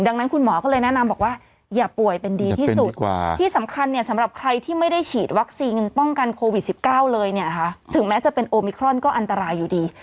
ดังนั้นคุณหมอก็เลยแนะนำบอกว่าอย่าป่วยเป็นดีที่สุดที่สำคัญเนี่ยสำหรับใครที่ไม่ได้ฉีดวัคซีนป้องกันโควิด๑๙เลยเนี่ยค่ะถึงแม้จะเป็นโอมิครอนก็อันตรายอยู่ดี